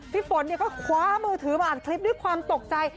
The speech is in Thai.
พี่ฝนก็คว้ามือถือมาอัดคลิปด้วยความตกใจ